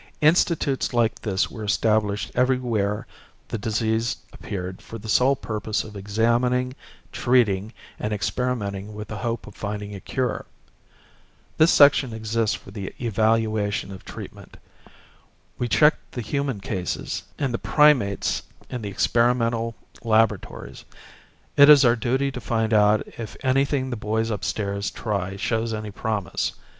Institutes like this were established everywhere the disease appeared for the sole purpose of examining, treating, and experimenting with the hope of finding a cure. This section exists for the evaluation of treatment. We check the human cases, and the primates in the experimental laboratories. It is our duty to find out if anything the boys upstairs try shows any promise.